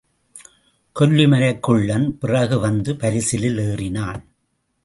கொல்லிமலைக் குள்ளன் பிறகு வந்து பரிசலில் ஏறினான்.